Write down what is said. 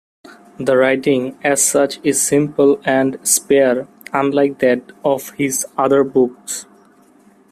The writing, as such, is simple and spare, unlike that of his other books.